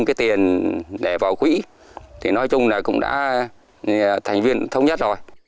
tất cả những cái tiền để vào quỹ thì nói chung là cũng đã thành viên thông nhất rồi